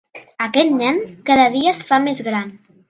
Aquest nen cada dia es fa més gran.